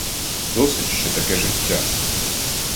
Досить, що таке життя!